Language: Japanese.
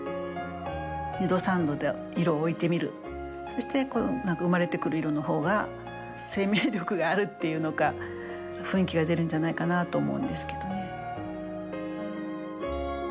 そして生まれてくる色の方が生命力があるっていうのか雰囲気が出るんじゃないかなと思うんですけどね。